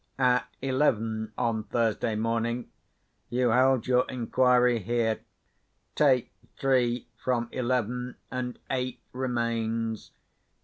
At eleven on Thursday morning you held your inquiry here. Take three from eleven, and eight remains.